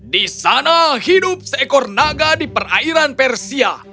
di sana hidup seekor naga di perairan persia